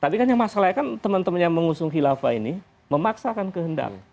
tapi kan yang masalah kan temen temen yang mengusung khilafah ini memaksakan kehendak